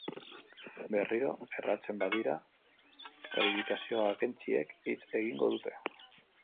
Berriro, erratzen badira, kalifikazio agentziek hitz egingo dute.